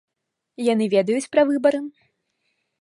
Яны ведаюць пра выбары?